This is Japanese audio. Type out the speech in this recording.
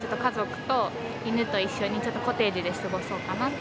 那須に行って、ちょっと家族と犬と一緒にちょっとコテージで過ごそうかなと。